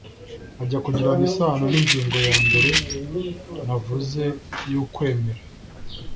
ajya kugirana isano n’ingingo yambere navuze y’ ukwemera